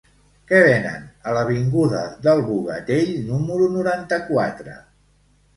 Què venen a l'avinguda del Bogatell número noranta-quatre?